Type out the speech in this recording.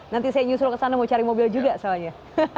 nanti saya nyusul ke sana mau cari mobil juga soalnya